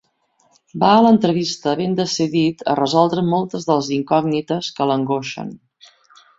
Va a l'entrevista ben decidit a resoldre moltes de les incògnites que l'angoixen.